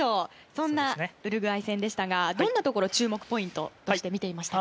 そんなウルグアイ戦でしたがどんなところ注目ポイントとして見ていましたか？